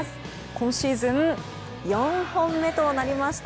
今シーズン４本目となりました。